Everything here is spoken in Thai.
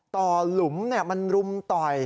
ต่อหลุมเนี่ยมันรุมต่อย